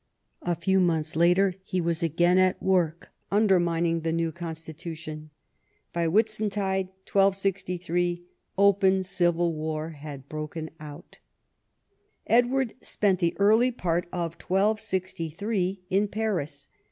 A few months later he was again at work undermining the new constitution. By Whitsuntide 1263 open civil war had broken out. Edward spent the early part of 1263 in Paris.